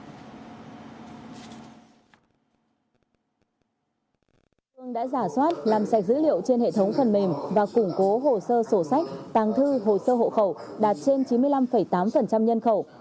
cũng đã giả soát làm sạch dữ liệu trên hệ thống phần mềm và củng cố hồ sơ sổ sách tàng thư hồ sơ hộ khẩu đạt trên chín mươi năm tám nhân khẩu